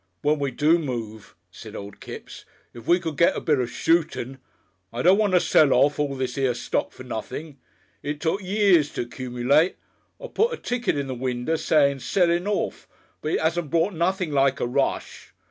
"When we do move," said old Kipps, "if we could get a bit of shootin' . I don't want to sell off all this here stock for nothin'. It's took years to 'cumulate. I put a ticket in the winder sayin' 'sellin' orf,' but it 'asn't brought nothing like a roosh.